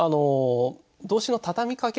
動詞のたたみかけ